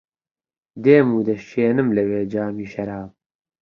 دێم و دەشکێنم لەوێ جامی شەراب